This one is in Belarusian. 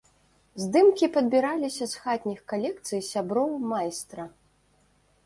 Здымкі падбіраліся з хатніх калекцый сяброў майстра.